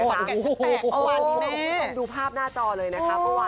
ก็ต้องดูภาพหน้าจอเลยนะคะ